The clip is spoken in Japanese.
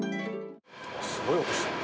すごい音してる。